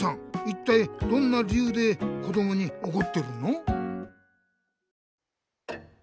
いったいどんな理ゆうでこどもにおこってるの？